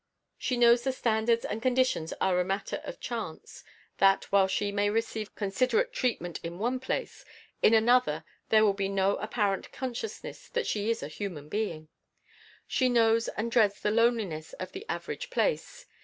She knows the standards and conditions are a matter of chance; that, while she may receive considerate treatment in one place, in another there will be no apparent consciousness that she is a human being. She knows and dreads the loneliness of the average "place."